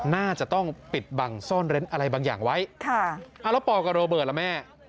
น่าจะต้องปิดบังซ่อนเร้นอะไรบางอย่างไว้แล้วปอกับโรเบิร์ตล่ะแม่